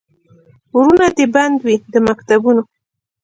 ورونه دي بند وي د مکتبونو